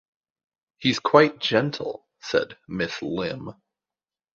“He’s quite gentle,” said Miss Limb.